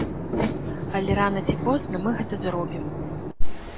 Але рана ці позна мы гэта зробім.